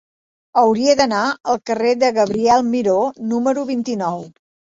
Hauria d'anar al carrer de Gabriel Miró número vint-i-nou.